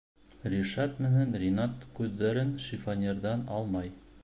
Ришат менән Ринат күҙҙәрен шифоньерҙан алмай.